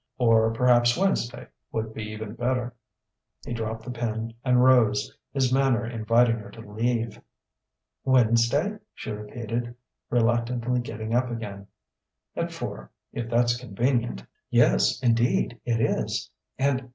Or perhaps Wednesday would be even better...." He dropped the pen and rose, his manner inviting her to leave. "Wednesday?" she repeated, reluctantly getting up again. "At four, if that's convenient." "Yes, indeed, it is. And